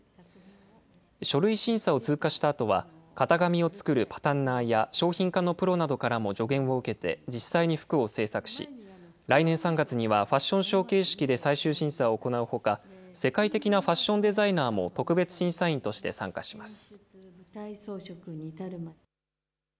書類審査を通過したあとは、型紙を作るパタンナーや商品化のプロなどからも助言を受けて実際に服を制作し、来年３月には、ファッションショー形式で最終審査を行うほか、世界的なファッションデザイナーも特別審査員として参加します。